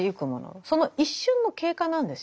その一瞬の経過なんですよね。